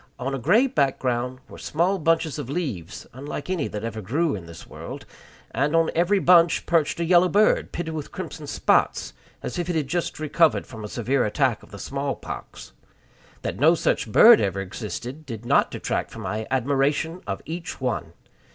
On a gray background were small bunches of leaves, unlike any that ever grew in this world; and on every other bunch perched a yellow bird, pitted with crimson spots, as if it had just recovered from a severe attack of the small pox. That no such bird ever existed did not detract from my admiration of each one.